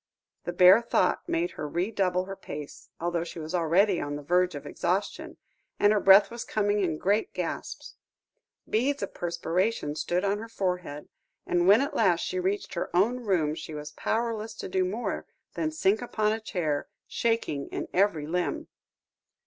The bare thought made her redouble her pace, although she was already on the verge of exhaustion, and her breath was coming in great gasps. Beads of perspiration stood on her forehead, and when at last she reached her own room, she was powerless to do more than sink upon a chair, shaking in every limb.